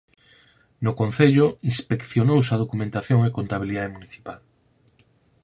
No concello inspeccionouse a documentación e contabilidade municipal.